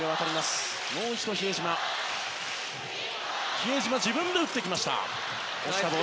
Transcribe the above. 比江島、自分で打ってきた。